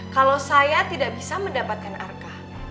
kalau saya tidak bisa mendapatkan arka